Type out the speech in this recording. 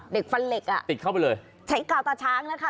ฟันเหล็กอ่ะติดเข้าไปเลยใช้กาวตาช้างนะคะ